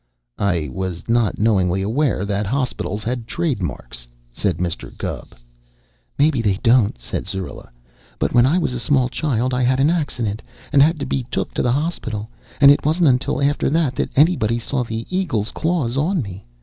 "I was not knowingly aware that hospitals had trademarks," said Mr. Gubb. "Maybe they don't," said Syrilla. "But when I was a small child I had an accident and had to be took to a hospital, and it wasn't until after that that anybody saw the eagle's claws on me.